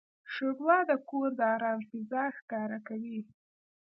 ښوروا د کور د آرام فضا ښکاره کوي.